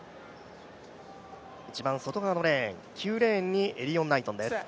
一番外側のレーン、９レーンにエリヨン・ナイトンです。